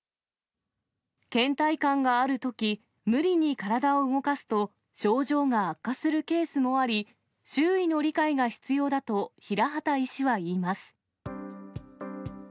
けん怠感があるとき、無理に体を動かすと、症状が悪化するケースもあり、周囲の理解が必要だと、平畑医師は言います。